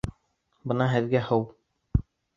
Бына һеҙгә һыу